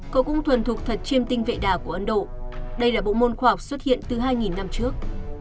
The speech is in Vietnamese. cậu cũng thuần thuộc thật chiêm tinh vệ đà của ấn độ đây là bộ môn khoa học xuất hiện từ hai năm trước